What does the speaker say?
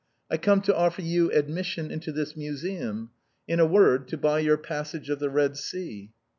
I come to offer you admission into this museum — in a word, to buy your * Passage of the Eed Sea.'